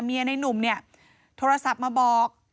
เมียในหนุ่มนี่โทรศัพท์มาบอก